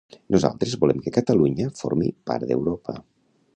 Nosaltres volem que Catalunya formi part d'Europa.